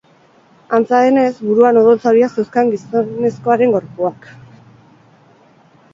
Antza denez, buruan odol zauriak zeuzkan gizonezkoaren gorpuak.